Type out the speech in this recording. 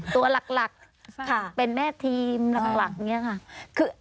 ตัวหลักเป็นแม่ทีมหลักอย่างนี้ค่ะ